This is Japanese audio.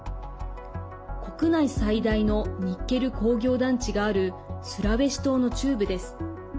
国内最大のニッケル工業団地があるスラウェシ島の中部です。